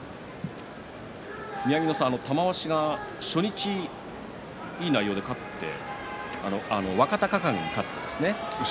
宮城野さん、玉鷲が初日いい内容で勝って若隆景に勝ったんですね。